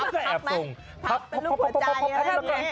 พับอะไร